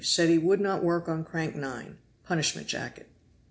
9; he would not work on crank 9; punishment jacket.